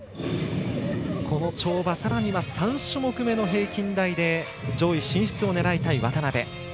跳馬、さらには３種目めの平均台で上位進出を狙いたい渡部。